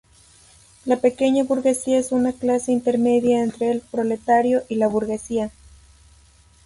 La pequeña burguesía es una clase intermedia entre el proletariado y la burguesía.